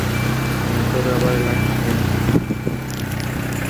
Se ha demostrado que causa comportamiento antidepresivo en ratones.